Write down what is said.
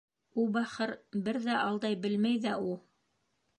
У, бахыр, бер ҙә алдай белмәй ҙә у!